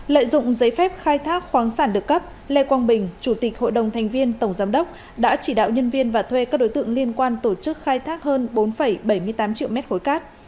lợi dụng giấy phép khai thác khoáng sản được cấp lê quang bình chủ tịch hội đồng thành viên tổng giám đốc đã chỉ đạo nhân viên và thuê các đối tượng liên quan tổ chức khai thác hơn bốn bảy mươi tám triệu mét khối cát